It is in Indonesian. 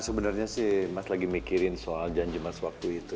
sebenarnya sih mas lagi mikirin soal janji mas waktu itu